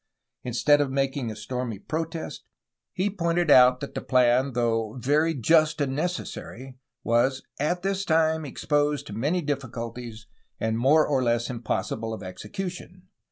Instead of making a stormy protest, he pointed out that the plan, though "very just and necessary, '^ was "at this time exposed to many difficulties and more or less impossible of execution.''